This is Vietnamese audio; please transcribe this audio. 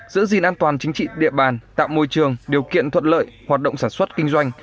giữ gìn an toàn chính trị địa bàn tạo môi trường điều kiện thuận lợi hoạt động sản xuất kinh doanh